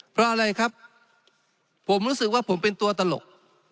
เพราะอะไรครับผมรู้สึกว่าผมเป็นตัวตลก